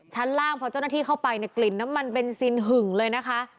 ชั้นล่างพอเจ้าหน้าที่เข้าไปเนี่ยกลิ่นน้ำมันเบนซินหึ่งเลยนะคะ